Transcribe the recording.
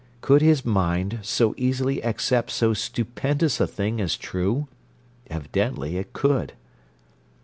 Could his mind so easily accept so stupendous a thing as true? Evidently it could!